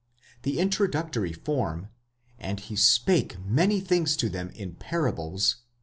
The introductory form, dad he spake many things to them in parables (v.